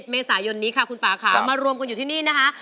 ๙๑๐๑๖๑๗เมษายนคุณป่าค่ะมารวมกันอยู่ที่นี่นะคะ